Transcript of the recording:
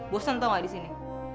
bosan tau gak di sini